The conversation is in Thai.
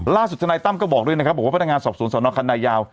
ล่าทสุทธนายตั้มก็บอกเลยนะครับว่าพนักงานสอบสวนสนคัณะยาว